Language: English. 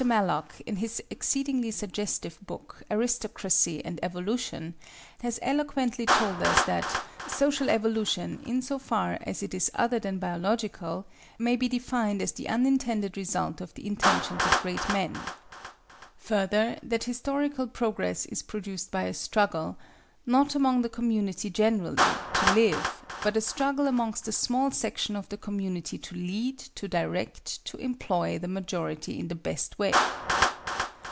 Mallock, in his exceedingly suggestive book, "Aristocracy and Evolution," has eloquently told us that "social evolution, in so far as it is other than biological, may be defined as the unintended result of the intentions of great men;" further, that historical progress is produced by a struggle "not among the community generally, to live, but a struggle amongst a small section of the community to lead, to direct, to employ, the majority in the best way."